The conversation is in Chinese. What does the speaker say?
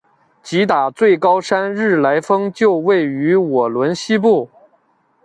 吉打最高山日莱峰就位于莪仑西部。